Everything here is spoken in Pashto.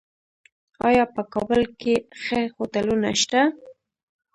آیا په کابل کې ښه هوټلونه شته؟